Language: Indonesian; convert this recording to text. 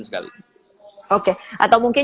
sekali oke atau mungkin